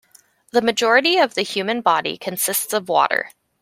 The majority of the human body consists of water.